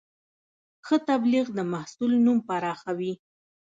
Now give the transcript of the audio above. ښه تبلیغ د محصول نوم پراخوي.